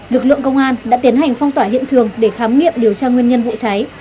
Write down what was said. lực lượng công an đã tiến hành phong tỏa hiện trường để khám nghiệm điều tra nguyên nhân vụ cháy